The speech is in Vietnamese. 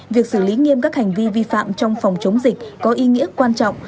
việc xử lý nghiêm các hành vi vi phạm trong phòng chống dịch có ý nghĩa quan trọng